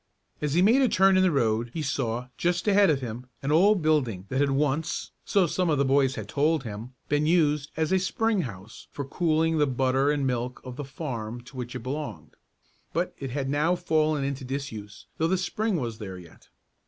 As he made a turn in the road he saw, just ahead of him, an old building that had once, so some of the boys had told him, been used as a spring house for cooling the butter and milk of the farm to which it belonged. But it had now fallen into disuse, though the spring was there yet.